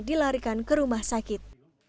dilarikan ke rumah sakit